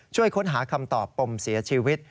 ช่วยค้นหาคำตอบปมเสียชีวิต